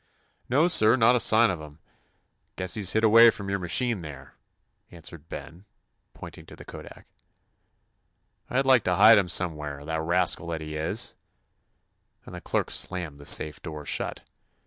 "No, sir, not a sign of him. Guess he 's hid away from your machine there," answered Ben, pointing to the kodak. "I 'd like to hide him away some where, the rascal that he is !" and the clerk slammed the safe door shut.